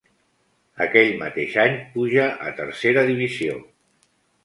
Aquell mateix any puja a Tercera Divisió.